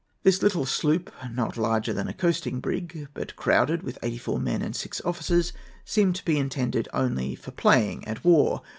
This little sloop, not larger than a coasting brig, but crowded with eighty four men and six officers, seemed to be intended only for playing at war.